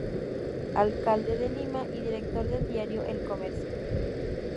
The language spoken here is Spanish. Alcalde de Lima y director del diario "El Comercio".